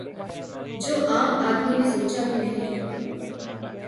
جو عام آدمی نے سوچا بھی نہیں ہو گا